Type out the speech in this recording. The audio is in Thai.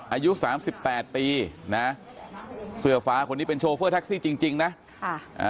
อายุ๓๘ปีนะฮะเสือฟ้าคนนี้เป็นโชเฟอร์ทักซี่จริงนะฮะ